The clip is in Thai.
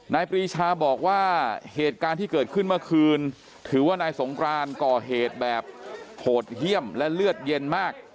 ปรีชาบอกว่าเหตุการณ์ที่เกิดขึ้นเมื่อคืนถือว่านายสงกรานก่อเหตุแบบโหดเยี่ยมและเลือดเย็นมาก